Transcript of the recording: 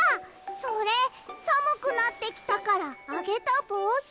それさむくなってきたからあげたぼうし！